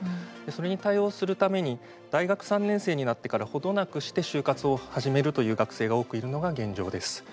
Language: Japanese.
それに対応するために大学３年生になってからほどなくして就活を始めるという学生が多くいるのが現状です。